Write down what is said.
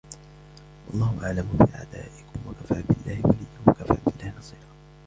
وَاللَّهُ أَعْلَمُ بِأَعْدَائِكُمْ وَكَفَى بِاللَّهِ وَلِيًّا وَكَفَى بِاللَّهِ نَصِيرًا